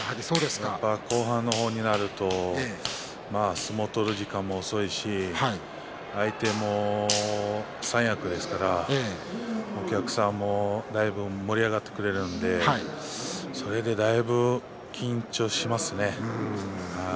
後半の方になると相撲を取る時間も遅いし相手も三役ですからお客さんもだいぶ盛り上がってくれるのでそれで、だいぶ緊張しますね。